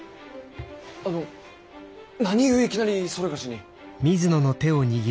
あの何故いきなりそれがしに。